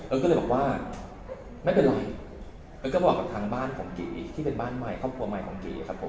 ก็เลยบอกว่าไม่เป็นไรเอ้ยก็บอกกับทางบ้านของเก๋ที่เป็นบ้านใหม่ครอบครัวใหม่ของเก๋ครับผม